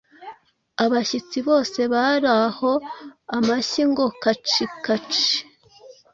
Abashyitsi bose bari aho amashyi ngo: “kacikaci”!